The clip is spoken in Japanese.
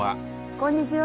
こんにちは。